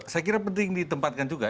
saya kira penting ditempatkan juga